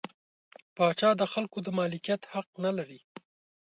پاچا د خلکو د مالکیت حق نلري.